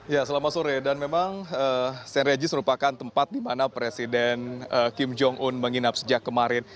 ya selama sore dan memang st regis merupakan tempat di mana presiden kim jong un menginap sejak kemarin